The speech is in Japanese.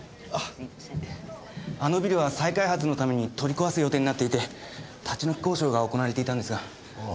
あのビルは再開発のために取り壊す予定になっていて立ち退き交渉が行われていたんですが。